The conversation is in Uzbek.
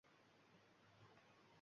Men senga gapiryapman endi!